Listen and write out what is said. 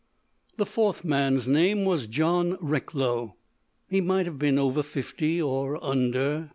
The fourth man's name was John Recklow. He might have been over fifty, or under.